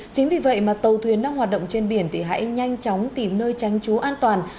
chính vì vậy mà tàu thuyền đang hoạt động trên biển thì hãy nhanh chóng tìm nơi tránh trú an toàn